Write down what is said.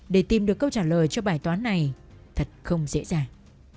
để tìm được câu trả lời cho bài toán này thật không dễ dàng